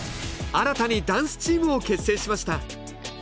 新たにダンスチームを結成しました。